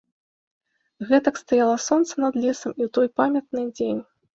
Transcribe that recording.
Гэтак стаяла сонца над лесам і ў той памятны дзень.